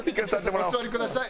お座りください。